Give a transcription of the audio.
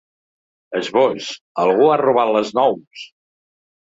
Esbós: Algú ha robat les nous!